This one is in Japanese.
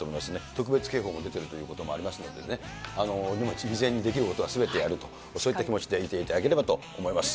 特別警報も出てるということもありますのでね、事前にできることはすべてやると、そういった気持ちでいていただければと思います。